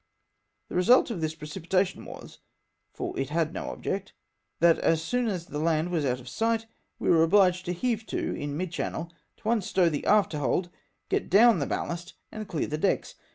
The result of this precipitation was — for it had no object — that as soon as the land was out of sight, we were obhged to heave to, in mid channel, to unstow the after hold, get down the baUast, and clear the decks.